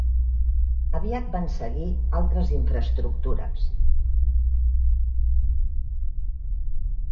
Aviat van seguir altres infraestructures.